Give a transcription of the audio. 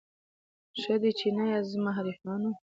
ښه دی چي نه یاست زما حریفانو